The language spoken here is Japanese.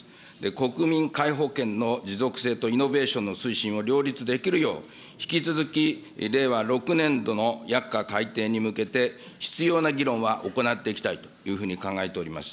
国民皆保険の持続性とイノベーションの推進を両立できるよう、引き続き、令和６年度の薬価改定に向けて、必要な議論は行っていきたいというふうに考えております。